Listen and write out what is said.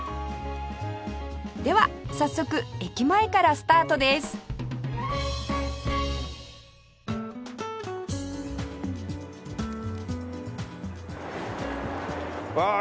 では早速駅前からスタートですわあ。